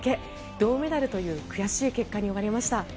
銅メダルという悔しい結果に終わりました。